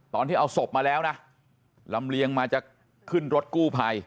ตอนที่เอาศพมาแล้วนะลำเลียงมาจะขึ้นรถกู้ภัย